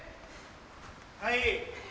はい。